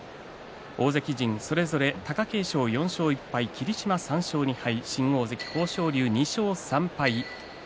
大関陣それぞれ貴景勝４勝１敗霧島３勝２敗、新大関の豊昇龍が２勝３敗です。